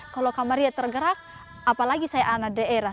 kalau kamarnya tergerak apalagi saya anak daerah